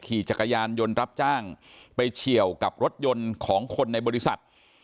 ขี่จักรยานยนต์รับจ้างไปเฉียวกับรถยนต์ของคนในบริษัท